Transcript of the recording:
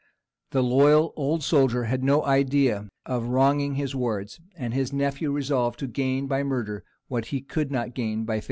The loyal old soldier had no idea of wronging his wards, and his nephew resolved to gain by murder what he could not gain by favour.